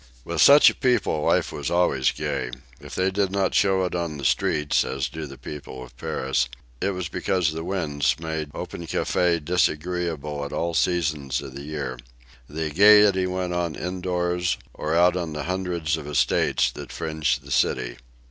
With such a people life was always gay. If they did not show it on the streets, as do the people of Paris, it was because the winds made open cafes disagreeable at all seasons of the year. The gayety went on indoors or out on the hundreds of estates that fringed the city.